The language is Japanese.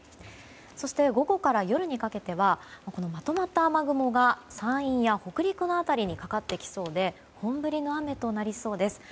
そして、午後から夜にかけてはまとまった雨雲が山陰や北陸の辺りにかかってきそうで本降りの雨となりそうです。